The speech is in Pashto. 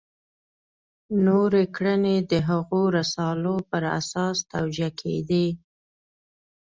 نورې کړنې د هغو رسالو پر اساس توجیه کېدې.